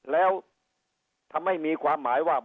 แล้วทำให้มีความหมายว่า